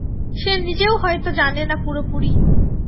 সে নিজেও হয়তো জানে না পুরোপুরি।